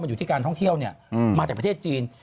อยู่ที่การท่องเที่ยวมาจากประเทศจีน